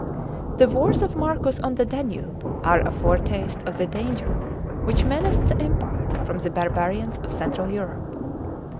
* (4) The wars of Marcus on the Danube are a foretaste of the danger which menaced the Empire from the barbarians of central Europe.